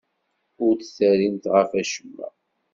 Ur d-terrimt ɣef wacemma.